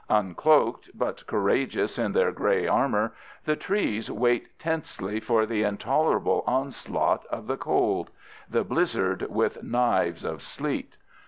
Uncloaked, but courageous in their gray armor, the trees wait tensely for the intolerable onslaught of the cold: the blizzard with knives of sleet.